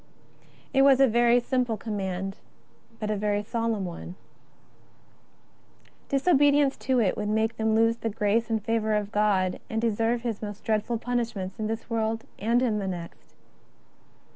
A simple command, but a very solemn one. Diso bedience to it would make them lose the grace and favour of God, and deserve His most dreadful punish ments in this world and in the next.